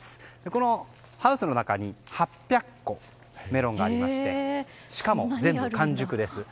このハウスの中に８００個、メロンがありましてしかも、全部完熟です。